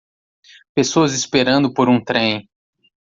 Pessoas esperando por um trem.